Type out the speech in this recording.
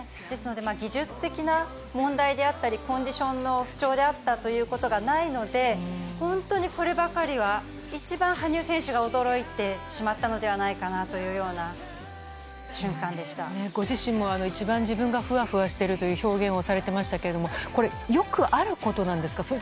ですので、技術的な問題であったり、コンディションの不調であったということがないので、本当にこればかりは、一番羽生選手が驚いてしまったのではないかなというような瞬間でご自身も一番自分がふわふわしてるという表現をされてましたけれども、これ、よくあることなんですか？